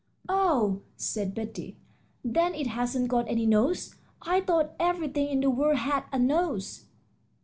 "Oh," said Betty, "then it hasn't got any nose? I thought everything in the world had a nose."